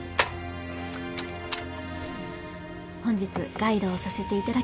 本日ガイドをさせていただきます